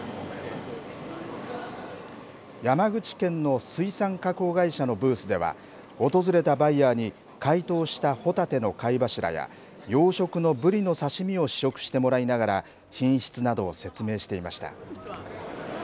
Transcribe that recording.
山口県の水産加工会社のブースでは、訪れたバイヤーに、解凍したホタテの貝柱や、養殖のぶりの刺身を試食してもらいながら、品質などを説明していました。